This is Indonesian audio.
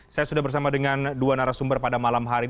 saya sudah bersama dengan dua narasumber pada malam hari ini